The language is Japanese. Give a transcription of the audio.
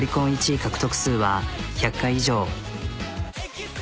１位獲得数は１００回以上。